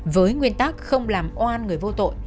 với nguyên tắc không làm oan người vô tội